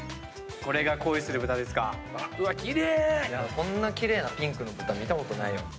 こんな奇麗なピンクの豚見たことないよ。